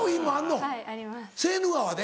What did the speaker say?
セーヌ川で？